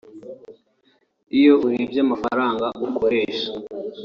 iyo urebye amafaranga ukoresha